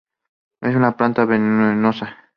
Es una planta venenosa.